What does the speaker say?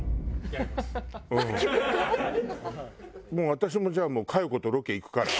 私もじゃあもう佳代子とロケ行くから。